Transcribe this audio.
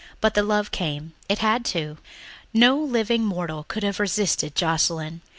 But the love came ... it had to. No living mortal could have resisted Joscelyn.